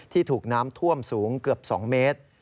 ถูกน้ำท่วมสูงเกือบ๒เมตร